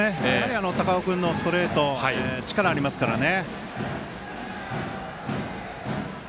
高尾君のストレート力ありますからね。